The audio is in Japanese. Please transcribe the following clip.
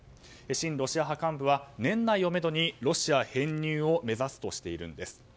親ロシア派幹部は年内をめどにロシア編入を目指すとしています。